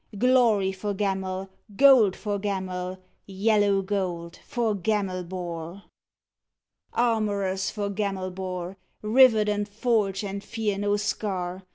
Glory for Gamel, Gold for Gamel, Yellow gold for Gamelbar! Armorers for Gamelbar, Rivet and forge and fear no scar!